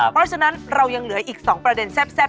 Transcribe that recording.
เพราะฉะนั้นเรายังเหลืออีก๒ประเด็นแซ่บ